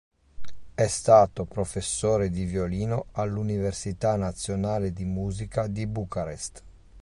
È stato professore di violino all'Università Nazionale di Musica di Bucarest.